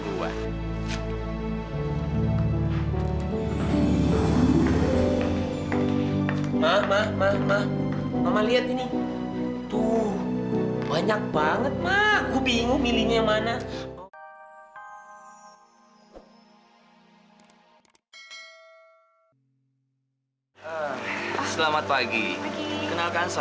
oke terima kasih